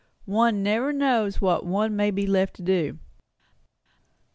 One never knows what one may be left to do."